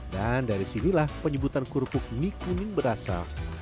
dan dari sinilah penyebutan kerupuk mie kuning berasal